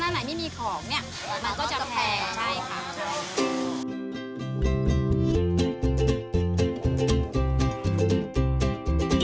ถ้านั่นไหนไม่มีของเนี่ยมันก็จะแพงเลยค่ะใช่ค่ะ